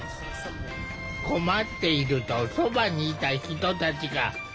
困っているとそばにいた人たちが集まってきた。